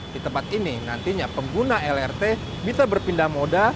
di tempat ini nantinya pengguna lrt bisa berpindah moda